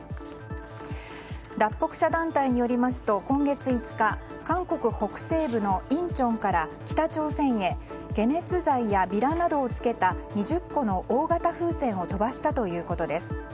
脱北者団体によりますと今月５日韓国北西部のインチョンから北朝鮮へ解熱剤やビラなどを付けた２０個の大型風船を飛ばしたということです。